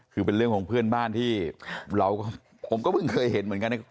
คือเป็นเรื่องของเพื่อนบ้านที่เราก็ผมก็เพิ่งเคยเห็นเหมือนกัน